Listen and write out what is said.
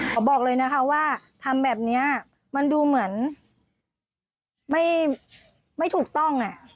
บอกเลยนะคะว่าทำแบบนี้มันดูเหมือนไม่ถูกต้อง